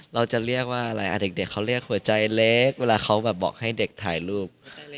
เราจะเรียกว่าอะไรอ่ะเด็กเขาเรียกหัวใจเล็กเวลาเขาแบบบอกให้เด็กถ่ายรูป